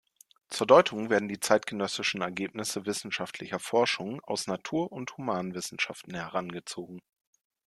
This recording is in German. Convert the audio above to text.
Zur Deutung werden die zeitgenössischen Ergebnisse wissenschaftlicher Forschung aus Natur- und Humanwissenschaften herangezogen.